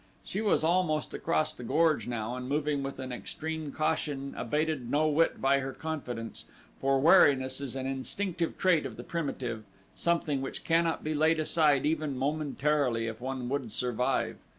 She was almost across the gorge now and moving with an extreme caution abated no wit by her confidence, for wariness is an instinctive trait of the primitive, something which cannot be laid aside even momentarily if one would survive.